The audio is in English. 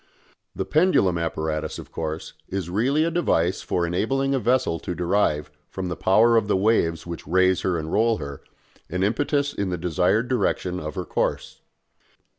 The pendulum apparatus, of course, is really a device for enabling a vessel to derive, from the power of the waves which raise her and roll her, an impetus in the desired direction of her course.